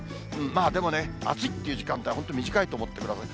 でもね、暑いっていう時間帯、本当、短いと思ってください。